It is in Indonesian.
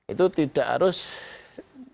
itu tidak harus dikawal